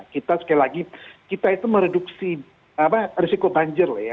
kita sekali lagi kita itu mereduksi risiko banjir lah ya